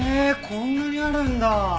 こんなにあるんだ！